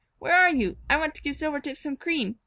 Where are you? I want to give Silvertip some cream.